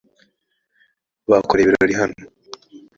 bakoreye ibirori hano